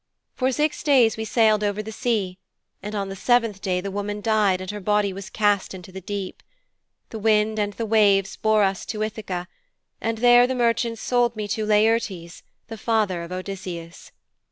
For six days we sailed over the sea, and on the seventh day the woman died and her body was cast into the deep. The wind and the waves bore us to Ithaka, and there the merchants sold me to Laertes, the father of Odysseus.'